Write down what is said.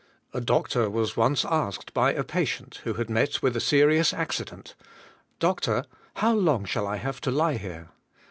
A doctor was once asked by a patient who had met with a serious accident: 'Doctor, how long shall I have to lie here?'